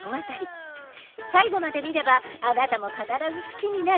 最後まで見ればあなたも必ず好きになる！